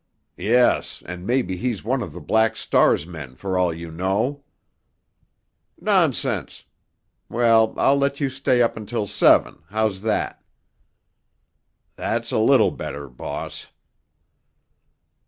"Yes, and maybe he's one of the Black Star's men for all you know!" "Nonsense! Well, I'll let you stay up until seven—how's that?" "That's a little better, boss."